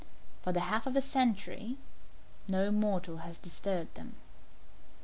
For the half of a century no mortal has disturbed them.